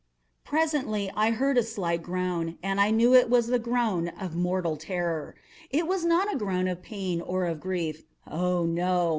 Presently I heard a slight groan, and I knew it was the groan of mortal terror. It was not a groan of pain or of grief—oh, no!